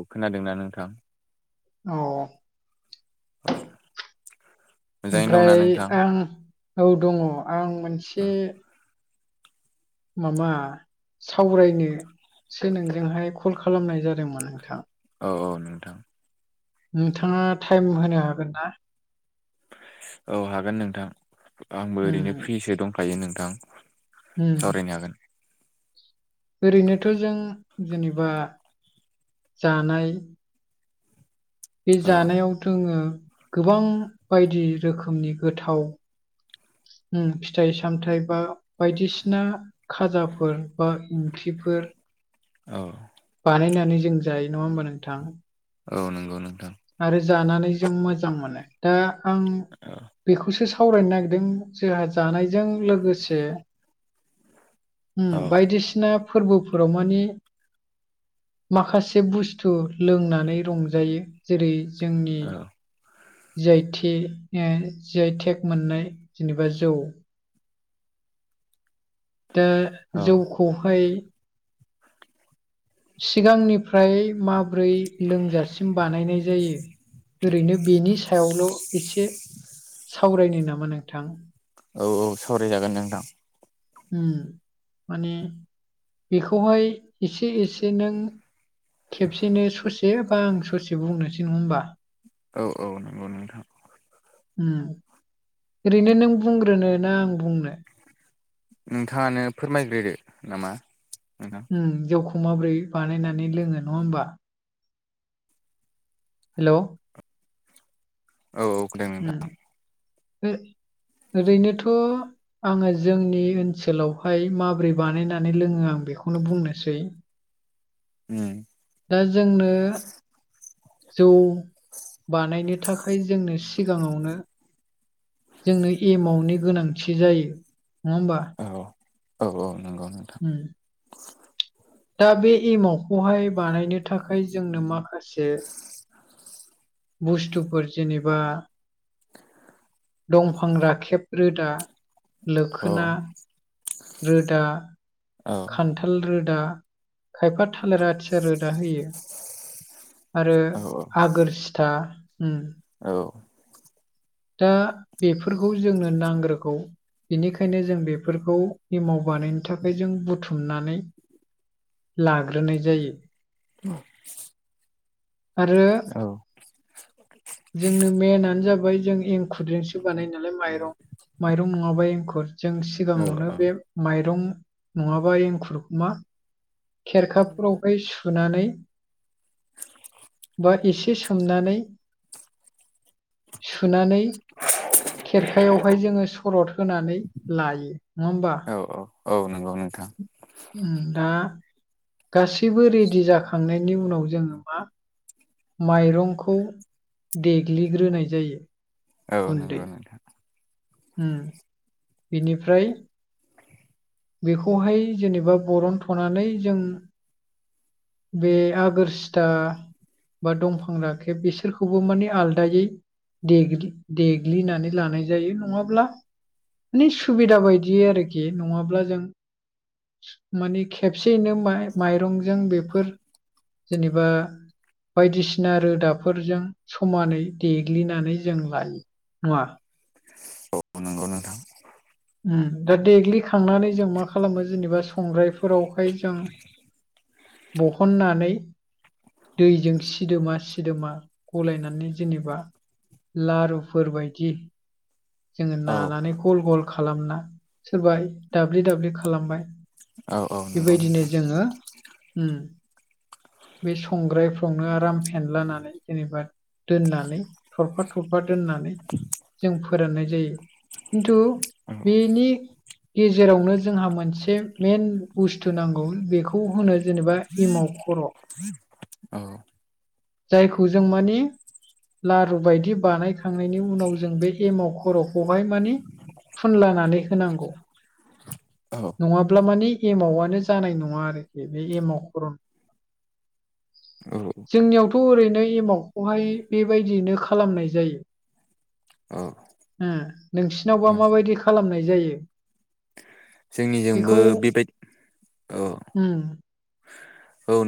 औ खोनादोंना नोंथां। औ। [unintelligible] दंना ओमफ्राय नोंथां आं औ दङ आं औ मोनसे माबा सावरायनोसो नोंजोंहाय कल खालामनाय जादोंमोन नोंथां। औ औ नोंथां। नोंथाङा टाइम होनो हागोन ना औ हागोन नोंथां आंबो ओरैनो उम फ्रिसो दंखायो नोंथां। उम। सावरायनो हागोन ओरैनोथ' जों जेनेबा जानाय बे औ जानायाव थोङो गोबां बायदि रोखोमनि गोथाव उम फिथाइ सामथाइ बा बायदिसिना खाजाफोर बा ओंख्रिफोर औ। बानायनानै जों जायो नङा होमबा नोंथां। औ नंगौ नोंथां। आरो जानानै जों मोजां मोनो दा आं औ बेखौसो सा सावरायनो नागिरदों जोंहा जानायजों लोगोसे उम औ बायदिसिना फोरबोफोराव माने माखासे बुस्थु लोंनानै रंजायो जेरै जोंनि औ जैे थि ओ जि आइ थेक मोननाय जेनेबा जौ दा औ जौखौहाय सिगांनिफ्राय मा ब्रै लोंजासिम बानायनाय जायो ओरैनो बेनि सायावल' एसे सावरायनो नामा नोंथां। औ औ सावरायजागोन नोंथां। उम माने बेखौहाय एसे एसे नों खेबसेनो ससे बा आं ससे बुंनोसै नङा होनबा औ औ नंगौ नोंथां। उम ओरैनो नों बुंग्रोनो ना आं बुंनो नोंथाङानो फोरमायग्रोदो नामा नोंथां। उम जौखौ माबोरै बानायनानै लोङो नङा होमबा हेलौ औ औ खोनादों नोंथां [unintelligible] ओरैनोथ' आङो जोंनि ओनसोलावहाय माबोरै बानायनानै लोङो आं बेखौनो बुंनोसै उम दा जोंनो जौ बानायनो थाखाय जोंनो सिगाङावनो जोंनो एमावनि गोनांथि जायो नङा होमबा औ औ औ नंगौ नोंथां उम दा बे एमावखौहाय बानायनो थाखाय जोंनो माखासे बुस्थुफोर जेनेबा दंफां राखेब रोदा औ लोखोना रोदा औ खान्थाल रोदा खायफा थालिर आथिया रोदा होयो आरो औ आगोर सिथा उम औ दा बेफोरखौ जोंनो नांग्रोगौ बेनिखायनो जों बेफोरखौ एमाव बानायनो थाखाय जों बुथुमनानै लाग्रोनाय जायो [inaudible] आरो जोंनो मेनानो जाबाय जों एंखुरजोंसो बानायो नालाय माइरं माइरं नङाबा एंखुर जों सिगाङावनो औ बे माइरं नङाबा एंखुर मा खेरखाफोरावहाय सुनानै बा एसे सोमनानै सुनानै [inaudible] खेरखायावहाय जोङो सरद होनानै लायो नङा होमबा औ औ नंगौ नोंथां दा गासैबो रेडि जाखांनायनि उनाव जोङो मा माइरंखौ देग्लिग्रोनाय जायो औ नंगौ नोंथां हम बिनिफ्राय बेखौहाय जेनेबा बरन थ'नानै जों बे आगोर सिथा बा दंफां राखेब बिसोरखौबो माने आलादायै दे देग्लिनानै लानाय जायो नङाब्ला माने सुबिदा बायदि आरोखि नङाब्ला जों माने खेबसेयैनो माइरंजों बेफोर जेनेबा बायदिसिना रोदाफोरजों समानै देग्लिनानै जों लायो नाडा़ औ नंगौ नोंथां दा देग्लिखांनानै जों मा खालामो जेनेबा संग्रायफोरावहाय जों बहननानै दैजों सिदोमा सिदोमा गलायनानै जेनेबा लारुफोरबायदि जोङो औ नानानै गल गल खालामना सोरबा दाब्लि दाब्लि खालामबाय औ औ नंगौ बेबायदिनो नोंथां जोङो बे संग्रायफ्रावनो आराम फेनलानानै जेनेबा दोननानै थरफा थरफा दोननानै जों फोराननाय जायो खिन्थु औ बेनि गेजेरावनो जोंहा मोनसे मेन बुस्थु नांगौ बेखौ होनो जेनेबा इमाव खर' औ जायखौ जों मानि लारु बायदि बानायखांनायनि उनाव जों बे एमाव खर'खौहाय माने फुनलानानै होनांगौ। औ नङाब्ला मानि एमावनो जानाय नङा आरोखि बे एमाव खर' औ। थ' ओरैनो एमावखौहाय बेबायदियैनो खालामनाय जायो। औ ओ नोंसिनावबा माबायदि खालामनाय जायो? जोंनिजोंबो बेबायदि औ हम।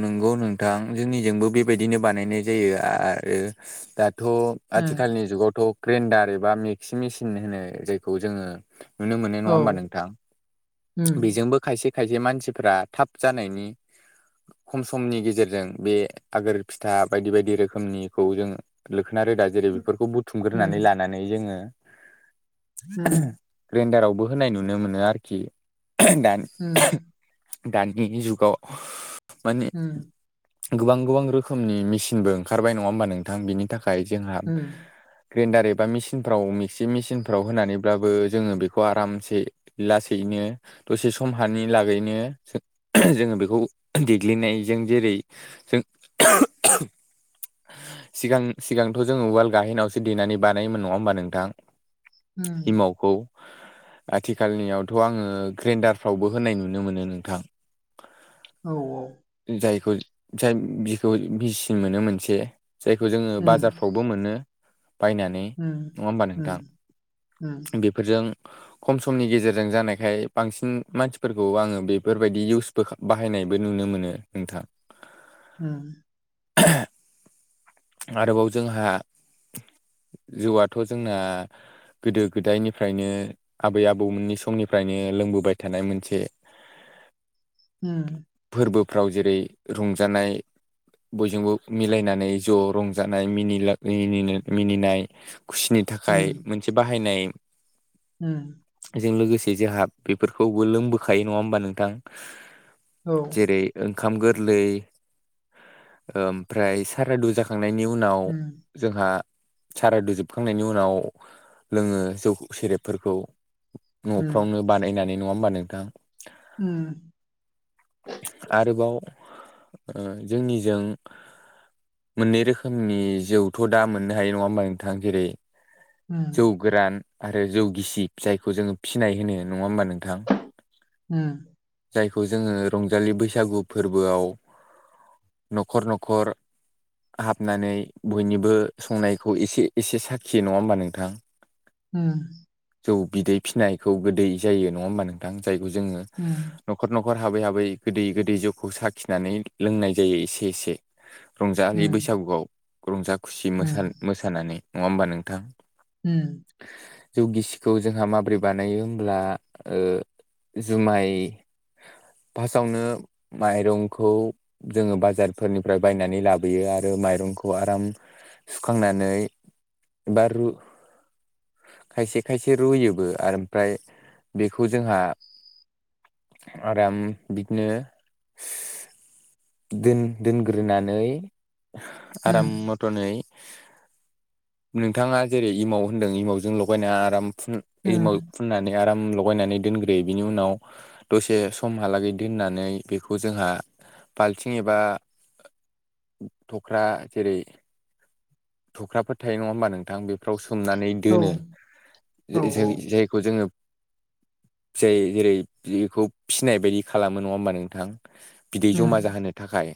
नोंगौ नोंथां जोंनिजोंबो बेबायदिनो बानायनाय जायो आरो दाथ' ओ आथिखालनि जुगावथ' ग्रेन्डार एबा मिक्सि मेसिन होनो जायखौ जोङो नुनो मोनो नङा औ होमबा नोंथां उम बेजोंबो खायसे खायसे मानसिफ्रा थाब जानायनि खम समनि गेजेरजों बे आगोर फिथा बायदि बायदि रोखोमनिखौ जों लोखोना रोदा जेरै बेफोरखौ उम बुथुमग्रोनानै लानानै जोङो उम [inaudible] ग्रेन्डारावबो होनाय नुनो मोनो आरोखि दानि उम [inaudible] दानि जुगाव मानि होम गोबां गोबां रोखोमनि मेसिनबो ओंखारबाय नङा होमबा नोंथां बिनि थाखाय जोंहा उम ग्रेन्डार एबा मेचिनफ्राव मिक्सि मेसिनफ्राव होनानैब्लाबो जोङो बेखौ आरामसे लासैनो दसे सम हानि लागैनो जोङो बेखौ देग्लिनायजों जेरै जों [inaudible] सिगां सिगांथ' जोङो उवाल गाहेनायावसो देनानै बानायोमोन नङा होमबा नोंथां। उम इमावखौ आथिखालनियावथ' आङो ग्रेन्डारफ्रावबो होनाय नुनो मोनो नोंथां। औ औ। जायखौ जाय बिखौ बिसिम मोनो मोनसे जायखौ जोङो उम बाजारफ्राव बावबो मोनो बायनानै उम नङा होमबा नोंथां उम उम बेफोरजों खम समनि गेजेरजों जानायखाय बांसिन मानसिफोरखौ आङो बेफोर बायदि इउसबो खा बाहा बाहायनायबो नुनो मोनो नोंथां। होम। आरोबाव जोंहा जिउआथ' जोंना गोदो गोदायनिफ्रायनो आबै आबौमोननि समनिफ्रायनो लोंबोबाय थानाय मोनसे उम। फोरबोफ्राव जेरै रंजानाय बयजोंबो मिलायनानै ज' रंजानाय मिनिला मिनिनो-मिनिनाय खुसिनि थाखाय मोनसे बाहायनाय। हम। जों लोगोसे जोहा बेफोरखौबो लोंबोखायो नङा होमबा नोंथां। औ। जेरै ओंखाम गोरलै, ओमफ्राय सारादु जा खांनायनि उनाव उम जोहा सारादुजोबखांनायनि उनाव लोङो जौ सेरेबफोरखौ उम न'फ्रावनो बानायनानै नङा होमबा नोंथां। उम आरोबाव ओ जोंनिजों मोननै रोखोमनि जौथ' दा मोननो हायो नङा होमबा नोंथाङा जेरै जौ गोरान आरो जौ गिसि फिसायखौ जोङो फिनाय होनो नङा होमबा नोंथां। ओ जायखौ जोङो रंजालि बैसागु फोरबोआव न'खर न'खर हाबनानै बयनिबो संनायखौ एसे एसे साखियो नङा होमबा नों [unintelligible] [unintelligible] जौ बिदै फिसिनायखौ गोदै जायो नङा होमबा नोंथां जायखौ जोङो। ह न'खर न'खर हाबै हाबै गोदै गोदै जौखौ साखिनानै लोंनाय जायो एसे एसे रंजालि उम बैसागुआव रंजा खुसि म उम मोसानानै नङा होमबा नोंथां उम जौ गिसिखौ जोंहा माबोरै बानायो होमब्ला जुमाय फार्स्टआवनो माइरंखौ जोङो बाजारफोरनिफ्राय बायनानै लाबोयो आरो माइरंखौ आराम। सुखांनानै बा रु खायसे खायसे रुयोबो आरो ओमफ्राय बेखौ जोंहा आराम बिदिनो दोन दोनग्रोनानै उम आराम मथनै नोंथाङा जेरै इमाव फुनदों इमावजों लगायना आराम फुन उम इमाव फुननानै आराम लगायनानै दोनग्रोयो बिनि उनाव। दसे समहालागै दोननानै बेखौ जोंहा बाल्थिं एबा थख्रा जेरै थख्राफोर थायो नङा होमबा नोंथां बेफ्राव स सुमनानै औ दोनो औ औ जायखौ जोङो जाय जेरै बेखौ फिसिनाय बायदि खालामो नङा होमबा नोंथां। बिदै उम जमा जाहोनो थाखाय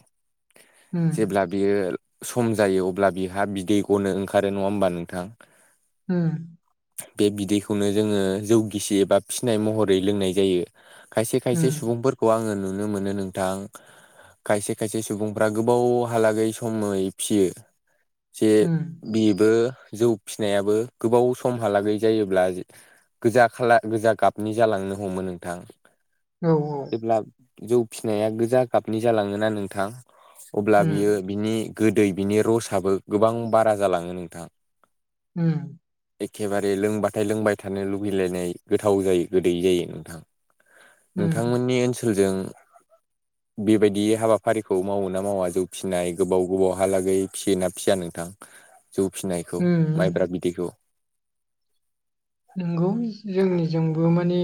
उम जेब्ला। बियो सम जायो अब्ला बिहा बिदै गनो ओंखारो नङा होमबा नोंथां होम बे बिदैखौनो जोङो जौगिसि एबा फिसिनाय महरै लोंनाय जायो खायसे उम खायसे सुबुंफोरखौ आङो नुनो मोनो नोंथां। खायसे खायसे सुबुंफ्रा गोबावहालागै समै फिसियो जे उम बेबो जौ फिसिनायाबो गोबाव समहालागै जायोब्ला गोजा खाला गोजा गाबनि जालांनो हमो नोंथां। औ जेब्ला जौ फिसिनाया गोजा गाबनि जालाङा नोंथां अब्ला उम बियो। बिनि गोदै बिनि रसाबबो गोबां बारा जालाङो नोंथां हम एखेबारे लोंबाथाय लोंबाय थानो लुबैलायनाय गोथाव जायो गोदै जायो नोंथां उम नोंथांमोननि ओनसोलजों बेबायदि हाबाफारिखौ मावोोना मावा जौ फिसिनाय गोबाव गोबावहालागै फिसियोना फिसिया नोंथां जौ फिनायखौ माइब्रा उम बिदैखौ। नोंगौ जोंनिजोंबो माने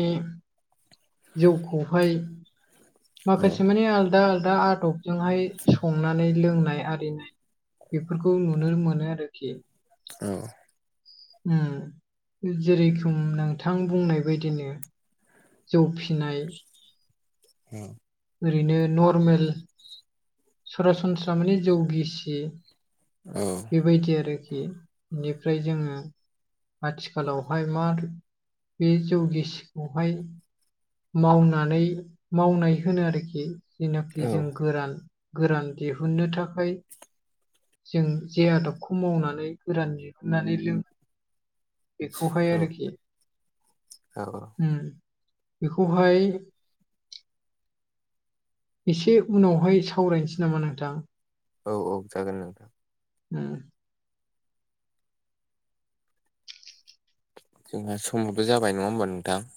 जौखौहाय औ माखासे मानिे आलदा आलदा आट' जोंहाय संनानै लोंनाय आरिनाय बेफोरखौ नुनो मोनो आरोखि औ जेरैखम नोंथां बुंनाय बायदिनो। जौ फिसिनाय हो ओरैनो नरमेल सरासनस्रा माने जौगिसि औ बेबायदि आरोखि बेनिफ्राय जोङो आथिखालावहाय मा बे जौ गिसिखौहाय मावनानै मावनाय होनो आरोखि जेनाखि जों गोरान गोरान दिहुननो थाखाय जों जे आदबखौ मावनानै गोरान दिहुननानै लों बेखौहाय औ आरोखि औ उम बेखौहाय एसे उनावहाय सावरायनोसै नामा नोंथां औ औ जागोन नोंथां उम जोंहा समावबो जाबाय नङा होमबा नोंथां